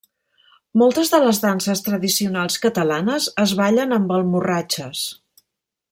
Moltes de les danses tradicionals catalanes es ballen amb almorratxes.